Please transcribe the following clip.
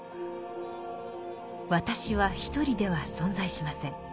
「私」は一人では存在しません。